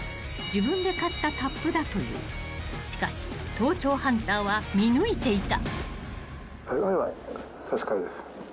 ［しかし盗聴ハンターは見抜いていた］